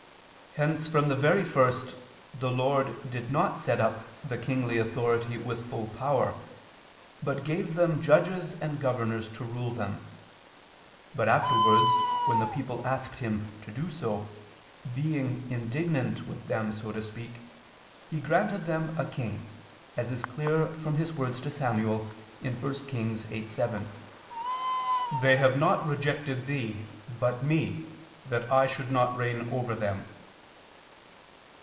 Hence from the very first the Lord did not set up the kingly authority with full power, but gave them judges and governors to rule them. But afterwards when the people asked Him to do so, being indignant with them, so to speak, He granted them a king, as is clear from His words to Samuel (1 Kings 8:7): "They have not rejected thee, but Me, that I should not reign over them."